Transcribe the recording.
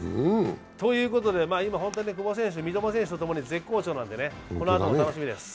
ということで今、本当に久保選手、三笘選手とともに絶好調なんでこのあとも楽しみです。